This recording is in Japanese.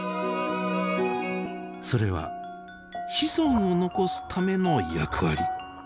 それは子孫を残すための役割。